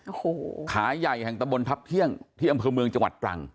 โอ้โหขาใหญ่แห่งตะบนทัพเที่ยงที่อำเภอเมืองจังหวัดตรัง